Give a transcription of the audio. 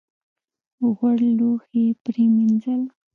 غوړ لوښي یې پرېمینځل .